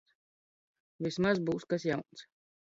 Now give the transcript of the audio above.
Vismaz būs kas jauns.